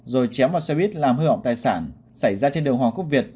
rồi chém vào xe buýt làm hư hỏng tài sản xảy ra trên đường hoàng quốc việt